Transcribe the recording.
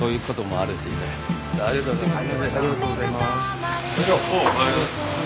ありがとうございます。